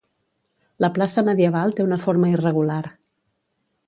La plaça medieval té una forma irregular.